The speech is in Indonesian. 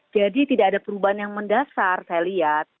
jadi tidak ada perubahan yang mendasar saya lihat